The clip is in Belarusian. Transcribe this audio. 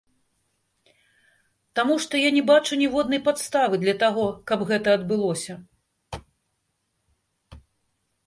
Таму што я не бачу ніводнай падставы для таго, каб гэта адбылося.